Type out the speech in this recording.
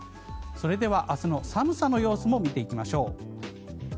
それでは明日の寒さの様子も見ていきましょう。